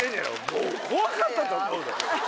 もう怖かったと思うで。